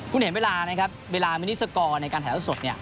คุณเห็นเวลาไหมครับเวลามินิสกอร์ในการถ่ายเท่าสดเนี่ย